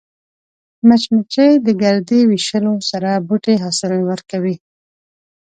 مچمچۍ د ګردې ویشلو سره بوټي حاصل ورکوي